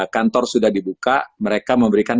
kantor sudah dibuka mereka memberikan